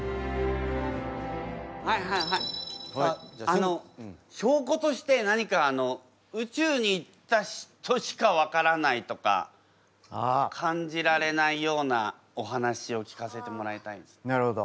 あのしょうことして何か宇宙に行った人しかわからないとか感じられないようなお話を聞かせてもらいたいです。